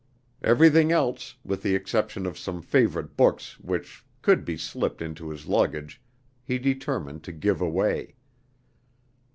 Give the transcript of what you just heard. Everything else, with the exception of some favorite books which could be slipped into his luggage, he determined to give away.